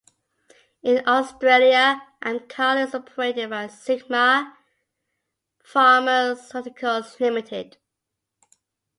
In Australia, Amcal is operated by Sigma Pharmaceuticals Limited.